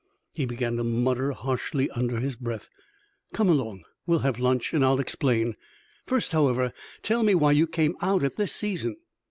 He began to mutter harshly under his breath: "Come along. We'll have lunch, and I'll explain. First, however, tell me why you came out at this season."